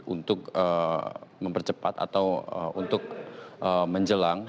untuk mempercepat atau untuk menjelang